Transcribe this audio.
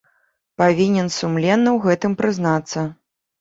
Павінен сумленна ў гэтым прызнацца.